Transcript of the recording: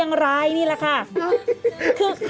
โอเคโอเคโอเคโอเค